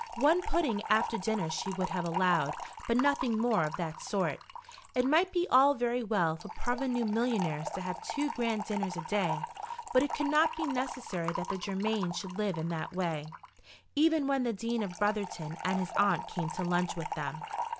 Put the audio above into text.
One pudding after dinner she would have allowed, but nothing more of that sort. It might be all very well for parvenu millionaires to have two grand dinners a day, but it could not be necessary that the Germains should live in that way, even when the Dean of Brotherton and his aunt came to lunch with them.